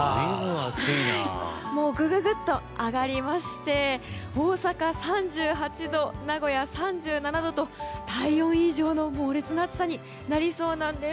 ググっと上がりまして大阪、３８度名古屋、３７度と体温以上の猛烈な暑さになりそうです。